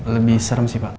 lebih serem sih pak